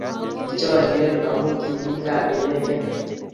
Kichoriren amu kimi kaa inegei